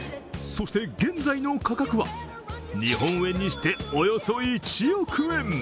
そして現在の価格は、日本円にしておよそ１億円。